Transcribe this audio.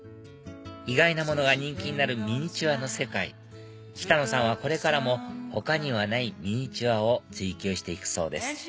意外なものが人気になるミニチュアの世界北野さんはこれからも他にはないミニチュアを追求して行くそうです